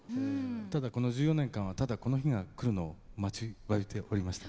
ただこの１４年間はただこの日が来るのを待ちわびておりました。